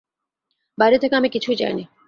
বাইরে থেকে আমি কিছুই চাই নে।